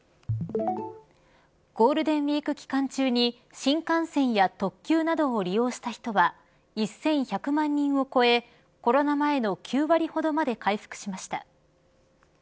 ゴールデンウイーク期間中に新幹線や特急などを利用した人は１１００万人を超えコロナ前の９割ほどまで回復しました。